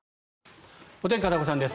お天気、片岡さんです。